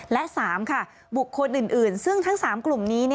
และ๓ค่ะบุคคลอื่นซึ่งทั้ง๓กลุ่มนี้